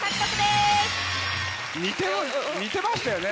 似てる似てましたよね。